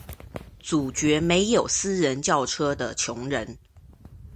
阻絕沒有私人轎車的窮人